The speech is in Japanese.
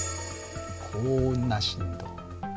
こんな振動。